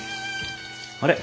あれ？